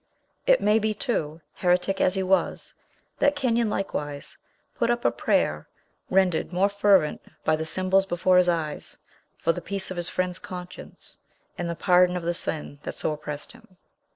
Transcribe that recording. It may be, too, heretic as he was, that Kenyon likewise put up a prayer, rendered more fervent by the symbols before his eyes, for the peace of his friend's conscience and the pardon of the sin that so oppressed him.